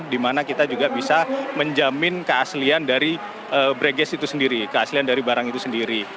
dimana kita juga bisa menjamin keaslian dari break gas itu sendiri keaslian dari barang itu sendiri